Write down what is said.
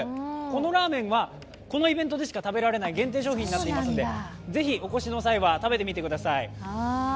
このラーメンはこのイベントでしか食べられない限定商品になっていますのでぜひお越しの際は食べてみてください。